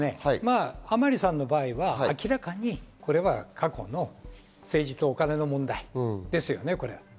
甘利さんの場合は明らかに過去の政治とカネの問題ですよね。